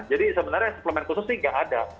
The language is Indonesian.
jadi sebenarnya suplemen khusus sih gak ada